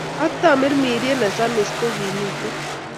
Ak Tamirmiriet nesamisich ko kimiten